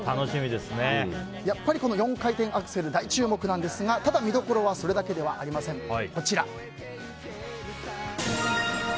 やっぱりこの４回転アクセル大注目なんですが、見どころはそれだけではありません。